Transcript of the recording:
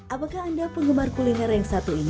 apakah anda penggemar kuliner yang satu ini